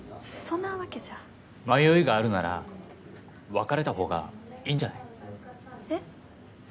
そんなわけじゃ迷いがあるなら別れた方がいいんじゃない？えっ？